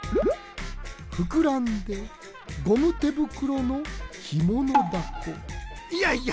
ふくらんでゴム手袋のひものだこいやいや！